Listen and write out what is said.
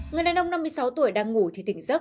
người đàn ông năm mươi sáu tuổi đang ngủ thì tỉnh giấc